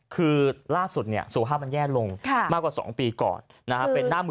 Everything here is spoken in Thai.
คือล่าสุดสุภาพมันแย่ลงมากกว่า๒ปีก่อนนะครับ